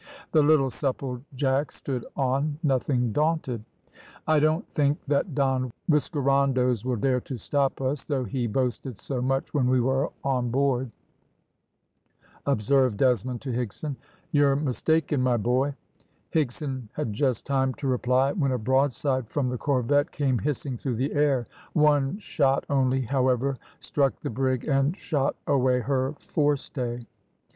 The little Supplejack stood on, nothing daunted. "I don't think that Don Whiskerandos will dare to stop us, though he boasted so much when we were on board," observed Desmond to Higson. "You're mistaken, my boy." Higson had just time to reply when a broadside from the corvette came hissing through the air; one shot only, however, struck the brig and shot away her forestay.